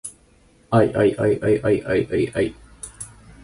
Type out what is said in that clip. ｌｌｌｌｌｌｌ